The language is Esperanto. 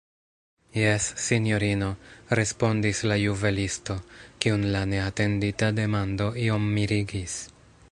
Jes, sinjorino, respondis la juvelisto, kiun la neatendita demando iom mirigis.